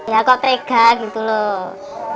ya kok tega gitu loh